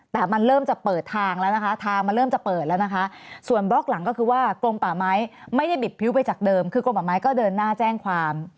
แต่มันเริ่มจะเปิดทางแล้วนะคะทางมันเริ่มจะเปิดแล้วนะคะส่วนบล็อกหลังก็คือว่ากลมป่าไม้ไม่ได้บิดพริ้วไปจากเดิมคือกลมป่าไม้ก็เดินหน้าแจ้งความ